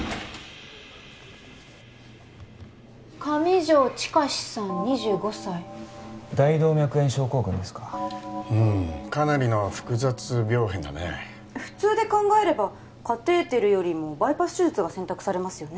上条周志さん２５歳大動脈炎症候群ですかうんかなりの複雑病変だね普通で考えればカテーテルよりもバイパス手術が選択されますよね